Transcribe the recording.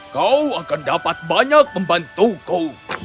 kau akan dapat banyak membantuku